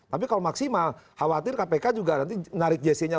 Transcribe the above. tapi kalau maksimal khawatir kpk juga nanti menarik jc nya